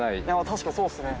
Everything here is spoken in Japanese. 確かにそうっすね。